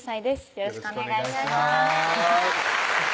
よろしくお願いします